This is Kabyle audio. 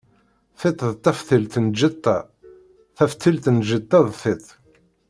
Tiṭ d taftilt n lǧetta, taftilt n lǧetta d tiṭ.